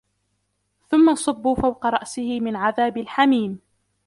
ثُمَّ صُبُّوا فَوْقَ رَأْسِهِ مِنْ عَذَابِ الْحَمِيمِ